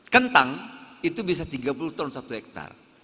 kentang itu bisa tiga puluh ton satu hektare